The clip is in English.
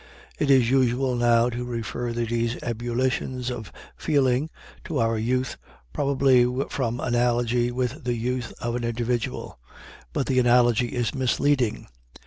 It is usual now to refer these ebullitions of feeling to our youth, probably from analogy with the youth of an individual. But the analogy is misleading.